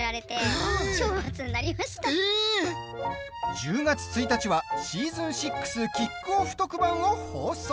１０月１日はシーズン６キックオフ特番を放送！